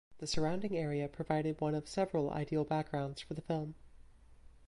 The surrounding area provided one of several ideal backgrounds for the film.